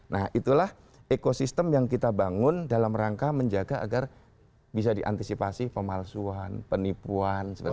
nah itulah ekosistem yang kita bangun dalam rangka menjaga agar bisa diantisipasi pemalsuan penipuan